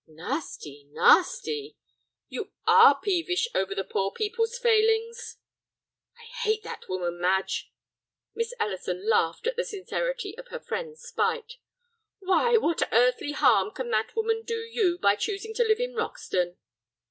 "Nasty, nasty! You are peevish over the poor people's failings!" "I hate that woman, Madge." Miss Ellison laughed at the sincerity of her friend's spite. "Why, what earthly harm can that woman do you by choosing to live in Roxton?"